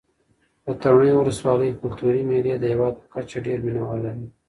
د تڼیو ولسوالۍ کلتوري مېلې د هېواد په کچه ډېر مینه وال لري.